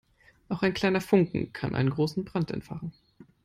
Auch ein kleiner Funken kann einen großen Brand entfachen.